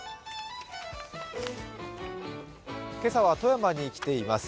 今朝は富山に来ています。